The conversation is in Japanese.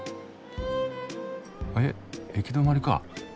えっ行き止まりか。